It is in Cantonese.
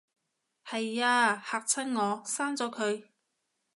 係吖，嚇親我，刪咗佢